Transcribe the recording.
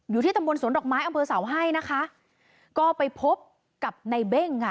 อยู่ที่ตำบลสวนดอกไม้อำเภอเสาให้นะคะก็ไปพบกับในเบ้งค่ะ